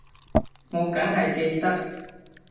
我梗係記得